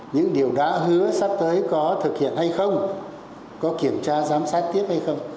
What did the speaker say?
những điều đã hứa sắp tới có thực hiện hay không có kiểm tra giám sát tiếp hay không